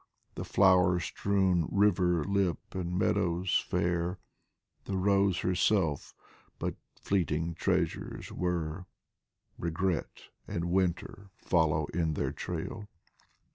The flower strewn river lip and meadows fair, The rose herself but fleeting treasures were, Regret and Winter follow in their trail.